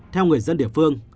theo người dân địa phương